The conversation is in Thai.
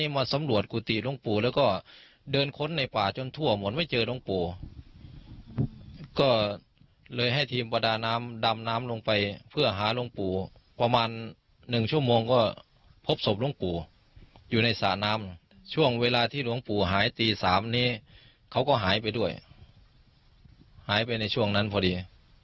บอกว่าอะไรของหลวงปู่หายไปบ้างไหม